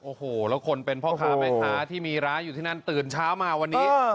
โอ้โหแล้วคนเป็นพ่อค้าแม่ค้าที่มีร้านอยู่ที่นั่นตื่นเช้ามาวันนี้